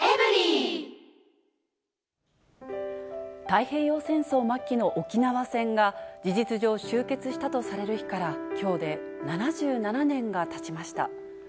太平洋戦争末期の沖縄戦が、事実上終結したとされる日から、きょうで７７年がたちました。